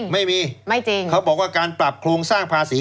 ไม่มีไม่จริงเขาบอกว่าการปรับโครงสร้างภาษี